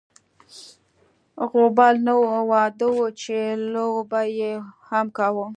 غوبل نه و، واده و چې لو به یې هم کاوه.